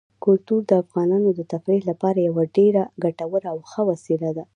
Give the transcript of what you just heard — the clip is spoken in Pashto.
کلتور د افغانانو د تفریح لپاره یوه ډېره ګټوره او ښه وسیله ده.